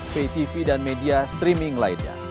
pay tv dan media streaming lainnya